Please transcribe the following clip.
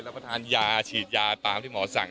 แล้วก็ทานยาฉีดยาตามที่หมอสั่ง